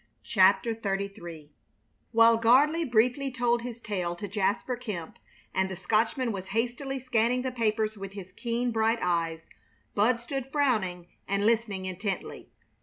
CHAPTER XXXIII While Gardley briefly told his tale to Jasper Kemp, and the Scotchman was hastily scanning the papers with his keen, bright eyes, Bud stood frowning and listening intently.